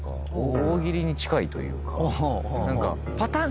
大喜利に近いというか。